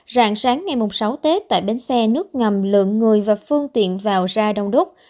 rạng sáng ngày sáu tết tại bến xe nước ngầm lượng người và phương tiện vào ra đông đúc